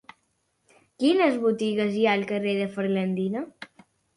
Quines botigues hi ha al carrer de Ferlandina?